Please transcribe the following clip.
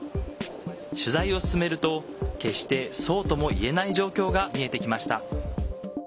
取材を進めると、決してそうともいえない状況が見えてきました。